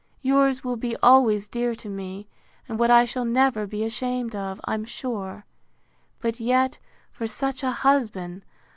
Yours will be always dear to me, and what I shall never be ashamed of, I'm sure: But yet—for such a husband!